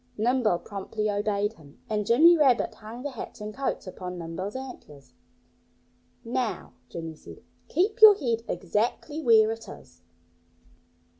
Nimble promptly obeyed him. And Jimmy Rabbit hung the hats and coats upon Nimble's antlers. "Now," Jimmy said, "keep your head exactly where it is!"